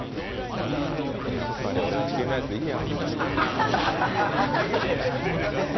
やっぱり俺はチキンライスでいいや。